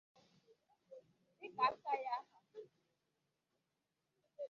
dịka aka ya ha